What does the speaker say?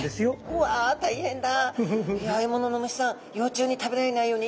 うわ大変だ。